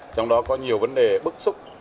trong đó có nhiều vấn đề bức xúc